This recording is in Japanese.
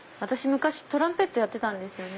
昔トランペットやってたんです。